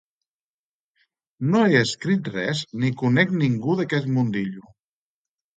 No he escrit res ni conec ningú d'aquest mundillo.